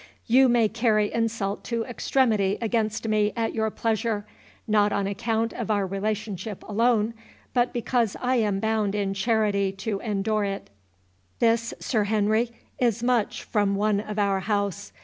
You may carry insult to extremity against me at your pleasure—not on account of our relationship alone, but because I am bound in charity to endure it. This, Sir Henry, is much from one of our house.